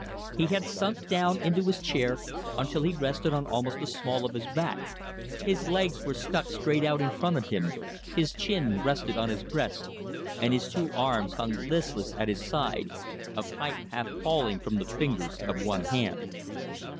He had sunk down into his chair until he rested on almost the small of his back, his legs were struck straight out in front of him, his chin rested on his breast, and his two arms hung listless at his side, a pipe half falling from the fingers of one hand.